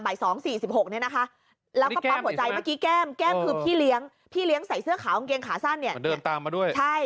ใบ๒๔๖นะคะแล้วพี่เลี้ยงพี่เลี้ยงใส่เสื้อขาองเกงขาสั้นเนี่ยเดินตามมาด้วยใช่